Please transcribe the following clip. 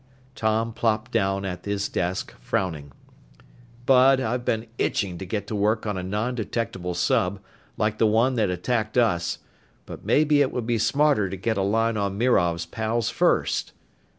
Tom plopped down at his desk, frowning. "Bud, I've been itching to get to work on a non detectable sub, like the one that attacked us. But maybe it would be smarter to get a line on Mirov's pals first."